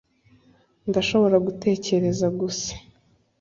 ndashobora gutekereza gusa